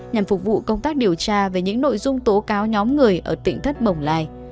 nhằm phục vụ công tác điều tra về những nội dung tố cáo nhóm người ở tỉnh thất bồng lai